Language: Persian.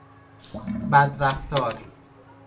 بدرفتار